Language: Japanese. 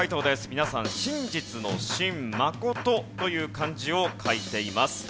皆さん真実の「真」「真」という漢字を書いています。